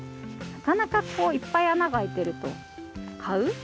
なかなかこういっぱいあながあいてるとかう？